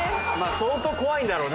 相当怖いんだろうね。